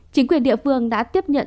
chính quyền địa phương đã tiếp nhận